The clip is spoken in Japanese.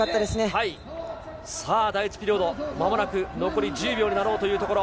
さあ、第１ピリオド、まもなく残り１０秒になろうというところ。